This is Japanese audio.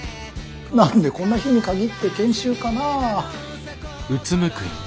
何でこんな日に限って研修かなぁ。